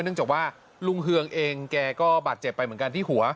เนื่องจากว่าลุงเฮืองเองแกก็บาดเจ็บไปเหมือนกันที่หัว